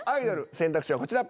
選択肢はこちら。